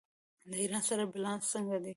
د ایران سره بیلانس څنګه دی؟